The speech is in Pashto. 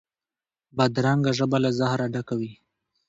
بدرنګه ژبه له زهره ډکه وي